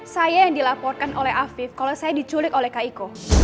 saya yang dilaporkan oleh afif kalau saya diculik oleh kiko